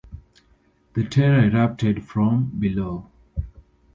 The Terror erupted from below.